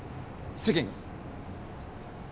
世間がっす。